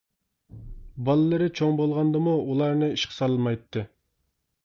بالىلىرى چوڭ بولغاندىمۇ، ئۇلارنى ئىشقا سالمايتتى.